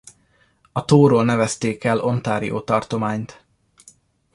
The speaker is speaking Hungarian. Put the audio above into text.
A tóról nevezték el Ontario tartományt.